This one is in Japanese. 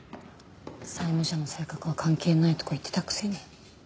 債務者の性格は関係ないとか言ってたくせに。